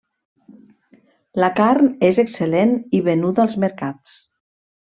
La carn és excel·lent i venuda als mercats.